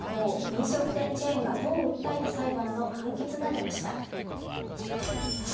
飲食チェーンが都を訴えた裁判の判決が出ました。